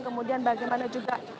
kemudian bagaimana juga